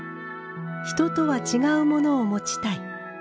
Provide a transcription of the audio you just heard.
「人とは違うものを持ちたい」。